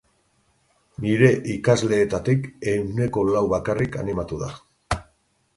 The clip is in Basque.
Nire ikasleetatik ehuneko lau bakarrik animatu da.